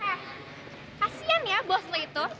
heh kasihan ya bos lo itu